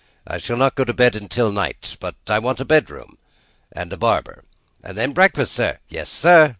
"I shall not go to bed till night; but I want a bedroom, and a barber." "And then breakfast, sir? Yes, sir.